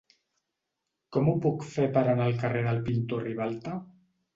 Com ho puc fer per anar al carrer del Pintor Ribalta?